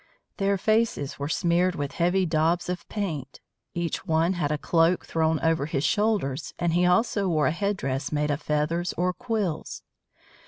Their faces were smeared with heavy daubs of paint. Each one had a cloak thrown over his shoulders, and he also wore a head dress made of feathers or quills.